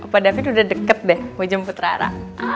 pak david udah deket deh mau jemput rara